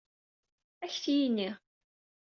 Ad ak-t-yini.